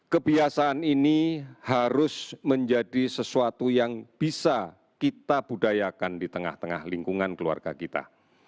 kebiasaan ini harus menjadi sesuatu yang bisa kita budayakan di tengah tengah lingkungan keluarga kita